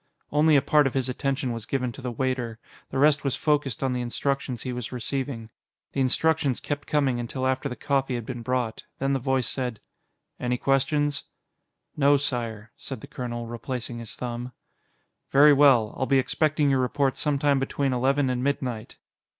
Only a part of his attention was given to the waiter; the rest was focused on the instructions he was receiving. The instructions kept coming until after the coffee had been brought. Then the voice said: "Any questions?" "No, Sire," said the colonel, replacing his thumb. "Very well. I'll be expecting your report sometime between eleven and midnight."